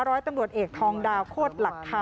ร้อยตำรวจเอกทองดาวโคตรหลักคา